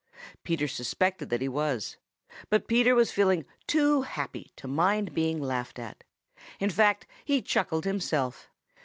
Peter suspected that he was. But Peter was feeling too happy to mind being laughed at. In fact, he chuckled himself.